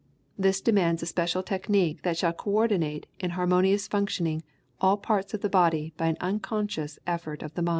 This demands a special technique that shall coördinate in harmonious functioning all parts of the body by an unconscious effort of the mind.